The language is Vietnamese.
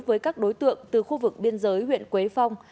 với các đối tượng từ khu vực biên giới huyện quế phong